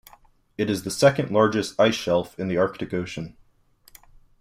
It is the second largest ice shelf in the Arctic Ocean.